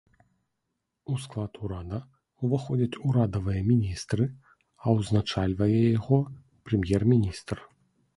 У склад урада ўваходзяць урадавыя міністры, а ўзначальвае яго прэм'ер-міністр.